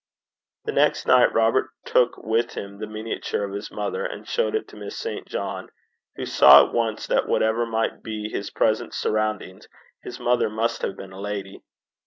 The next night Robert took with him the miniature of his mother, and showed it to Miss St. John, who saw at once that, whatever might be his present surroundings, his mother must have been a lady.